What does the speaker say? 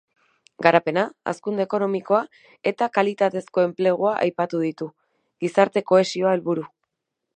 Garapena, hazkunde ekonomikoa eta kalitatezko enplegua aipatu ditu, gizarte kohesioa helburu.